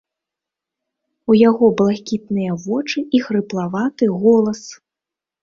У яго блакітныя вочы і хрыплаваты голас.